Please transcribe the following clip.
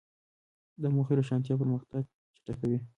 د موخې روښانتیا پرمختګ چټکوي.